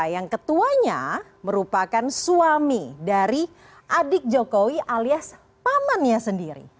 yang ketuanya merupakan suami dari adik jokowi alias pamannya sendiri